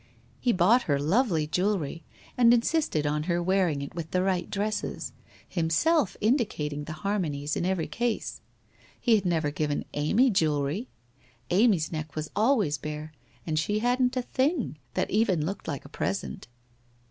He bought her lovely jewellery and insisted on her wearing it with the right dresses, himself indicating the harmonies in every case. He had never given Amy jewellery. Amy's neck was al ways bare, and she hadn't a thing, that even looked like a present.